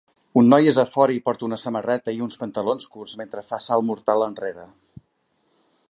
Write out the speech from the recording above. Un noi és a fora i porta una samarreta i uns pantalons curts mentre fa salt mortal enrere.